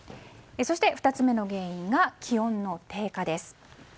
そして２つ目の原因が気温の低下です。